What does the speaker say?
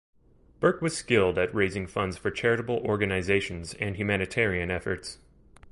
Burke was skilled at raising funds for charitable organizations and humanitarian efforts.